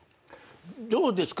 どうですか？